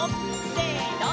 せの！